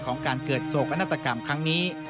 ของการเกิดโศกนาฏกรรมครั้งนี้